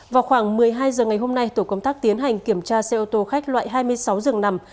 vào khoảng một mươi hai h ngày hôm nay tổ công tác tiến hành kiểm tra xe ô tô khách loại hai mươi sáu rừng nằm